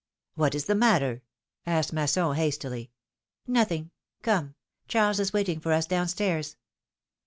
What is the matter asked Masson, hastily. Nothing. Come; Charles is waiting for us down stairs.